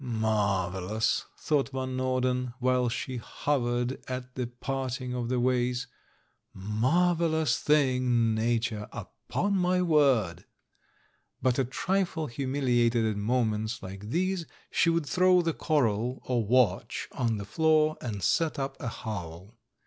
"Marvellous!" thought Van Norden, while she hovered at the parting of the ways, "marvellous thing, Nature, upon my word!" But, a trifle humiliated at moments like these, she would throw the coral, or watch, on the floor and set up a howl.